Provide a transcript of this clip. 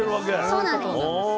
そうなんです。